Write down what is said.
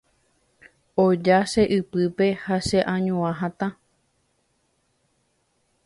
Oja che ypýpe ha che añua hatã